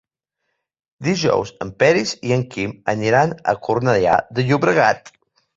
Dijous en Peris i en Quim aniran a Cornellà de Llobregat.